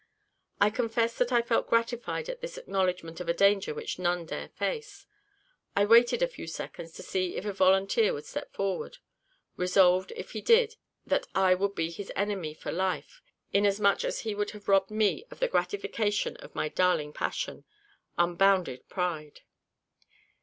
I confess that I felt gratified at this acknowledgment of a danger which none dare face. I waited a few seconds, to see if a volunteer would step forward, resolved, if he did, that I would be his enemy for life, inasmuch as he would have robbed me of the gratification of my darling passion unbounded pride.